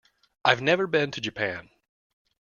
I've never been to Japan.